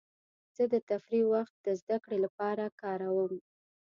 زه د تفریح وخت د زدهکړې لپاره کاروم.